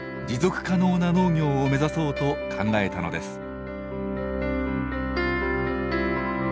持続可能な農業を目指そうと考えたのです。